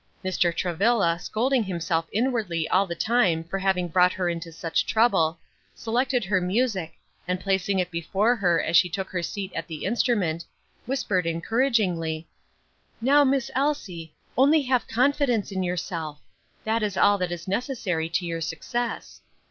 Mr. Travilla, scolding himself inwardly all the time for having brought her into such trouble, selected her music, and placing it before her as she took her seat at the instrument, whispered encouragingly, "Now, Miss Elsie, only have confidence in yourself; that is all that is necessary to your success."